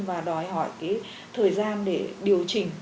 và đòi hỏi cái thời gian để điều chỉnh